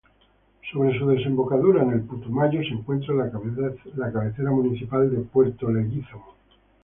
Sobre su desembocadura en el Putumayo se encuentra la cabecera municipal de Puerto Leguízamo.